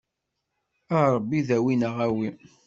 A Ṛebbi dawi neɣ awi.